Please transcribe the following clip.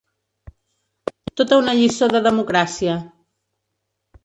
Tota una lliçó de democràcia.